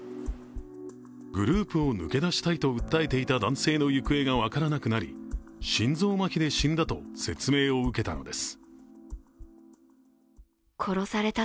グループを抜け出したいと訴えていた男性の行方が分からなくなり心臓まひで死んだと説明を受けたのです。